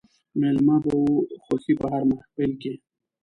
مېلمنه به وه خوښي په هر محل کښي